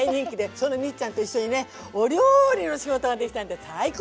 そのミッちゃんと一緒にねお料理の仕事ができたんで最高！